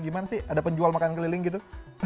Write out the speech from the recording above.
gimana sih ada penjual makan keliling gitu